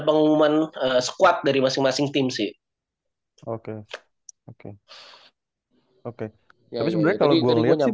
pengumuman skuat dari masing masing tim sih oke oke oke emang pulitya jaya rasa rasanya sih masuk